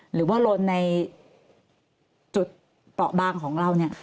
หรือว่าลนในจุดเปราะบางของเราเนี่ย